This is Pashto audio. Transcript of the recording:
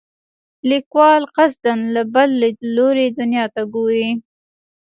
لیکوال قصدا له بل لیدلوري دنیا ته ګوري.